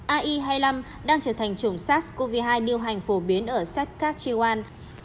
ai hai mươi năm đang trở thành chủng sars cov hai điều hành phổ biến ở saskatchewan